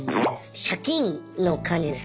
借金の感じですけど。